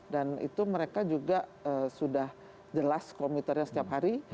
dan itu mereka juga sudah jelas komiternya setiap hari